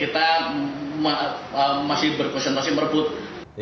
kita masih berkonsentrasi